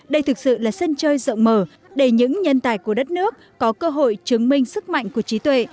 đây thực sự là sân chơi rộng mở để những nhân tài của đất nước có cơ hội chứng minh sức mạnh của trí tuệ